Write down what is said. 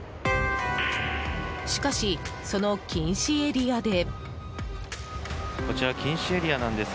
しかし、その禁止エリアで。